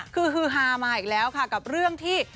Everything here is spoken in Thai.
คือฮือฮามาอีกแล้วค่ะกับเรื่องที่